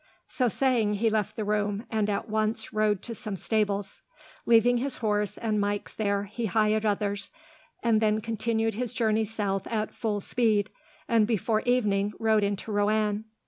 So saying, he left the room, and at once rode to some stables. Leaving his horse and Mike's there, he hired others, and then continued his journey south at full speed, and before evening rode into Roanne.